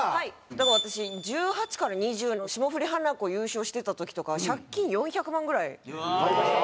だから私２０１８から２０２０の霜降りハナコ優勝してた時とかは借金４００万ぐらいありました。